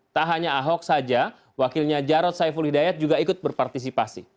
tak hanya ahok saja wakilnya jarod saiful hidayat juga ikut berpartisipasi